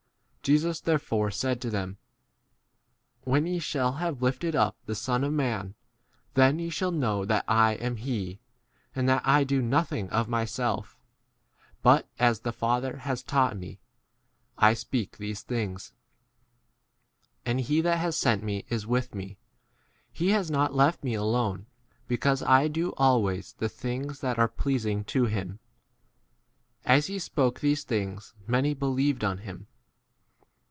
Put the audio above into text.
Jesus there fore said to them, 1 "Vfhen ye shall have lifted up the Son of man, then ye shall hnow that I ' am he, and th°."i. I do nothing of myself, biic as theJ Father has taught me 3 1 speak these things. And he that has sent me is with me ; he k has not left me alone, because I * do always the things that are pleas 8 ing to him. As he spoke these things many believed on him.